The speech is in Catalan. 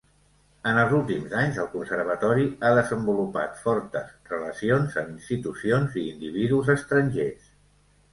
En els últims anys, el Conservatori ha desenvolupat fortes relacions amb institucions i individus estrangers.